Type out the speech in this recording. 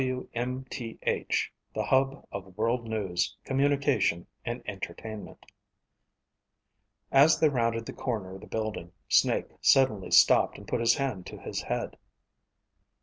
WMTH THE HUB OF WORLD NEWS, COMMUNICATION, & ENTERTAINMENT As they rounded the corner of the building, Snake suddenly stopped and put his hand to his head.